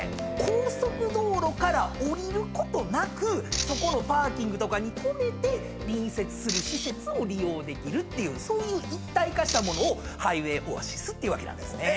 高速道路から降りることなくそこのパーキングとかに止めて隣接する施設を利用できるっていうそういう一体化したものをハイウェイオアシスっていうわけですね。